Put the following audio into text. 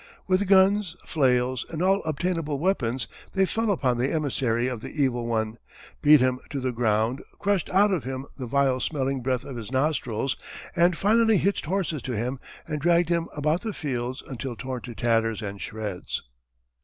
With guns, flails, and all obtainable weapons they fell upon the emissary of the Evil One, beat him to the ground, crushed out of him the vile smelling breath of his nostrils, and finally hitched horses to him and dragged him about the fields until torn to tatters and shreds.